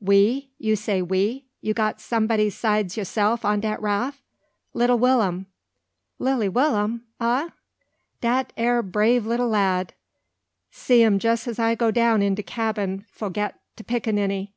"We you say we? You got some'dy sides yaself on dat raff?" "Little Will'm." "Lilly Willum, ah? dat ere brave lilly lad. See 'im jess as I go down in de cabin fo' get de pickaninny.